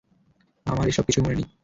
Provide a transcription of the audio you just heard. আমার এসব কিচ্ছু মনে নেই।